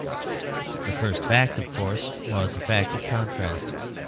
The first fact of course was a fact of contrast.